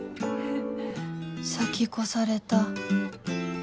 先越された